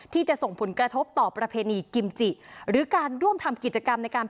ที่จะส่งผลกระทบต่อประเพณีกิมจิ